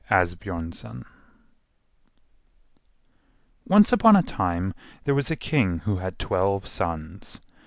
Asbjörnsen Once upon a time there was a king who had twelve sons.